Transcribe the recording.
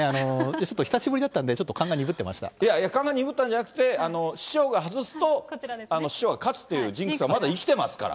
ちょっと久しぶりだったんで、いや、勘が鈍ったんじゃなくて、師匠が外すと、師匠が勝つっていうジンクスはまだ生きてますから。